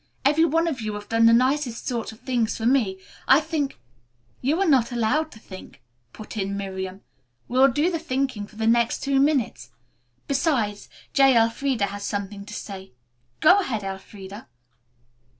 "Every one of you have done the nicest sort of things for me. I think " "You are not allowed to think," put in Miriam. "We will do the thinking for the next two minutes. Besides J. Elfreda has something to say. Go ahead, Elfreda."